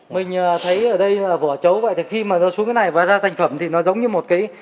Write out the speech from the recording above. mình thấy ở đây là vỏ chấu vậy thì khi mà nó xuống cái này và ra thành phẩm thì nó giống như một cái